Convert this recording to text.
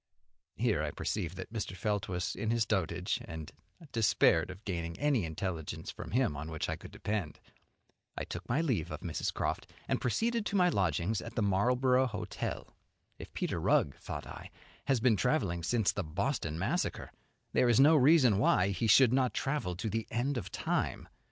Here I perceived that Mr. Felt was in his dotage, and I despaired of gaining any intelligence from him on which I could depend. I took my leave of Mrs. Croft, and proceeded to my lodgings at the Marlborough Hotel. If Peter Rugg, thought I, has been travelling since the Boston Massacre, there is no reason why he should not travel to the end of time.